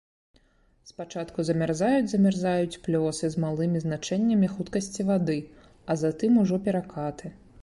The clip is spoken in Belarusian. Спачатку замярзаюць замярзаюць плёсы з малымі значэннямі хуткасці вады, а затым ужо перакаты.